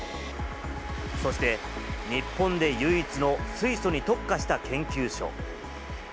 そして、日本で唯一の水素に特化した研究所。